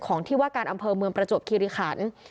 ที่ว่าการอำเภอเมืองประจวบคิริขัน